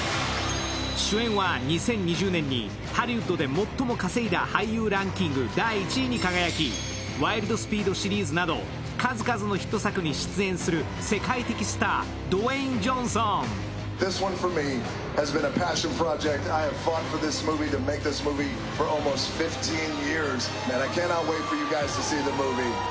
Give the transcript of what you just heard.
主演は２０２０年にハリウッドで最も稼いだ俳優ランキング第１位に輝き、「ワイルド・スピード」シリーズなど数々のヒット作に出演する世界的スタードゥエイン・ジョンソン。